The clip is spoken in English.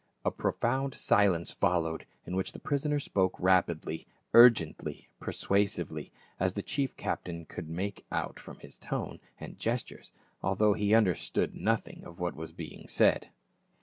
A profound silence followed in which the prisoner spoke rapidly, urgently, persuasively, as the chief captain could make out from his tone and gestures, although he under stood nothing of what was being said.